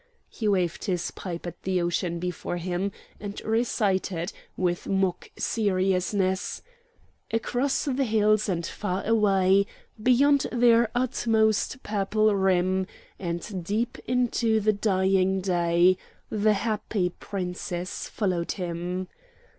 He waved his pipe at the ocean before him, and recited, with mock seriousness: "'Across the hills and far away, Beyond their utmost purple rim, And deep into the dying day, The happy Princess followed him.'